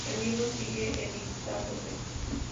El libro sigue editándose.